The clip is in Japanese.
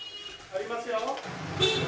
ありますよ。